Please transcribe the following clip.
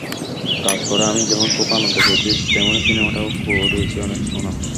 কাজ করে আমি যেমন খুব আনন্দ পেয়েছি, তেমনি সিনেমাটাও কুড়িয়েছে অনেক সুনাম।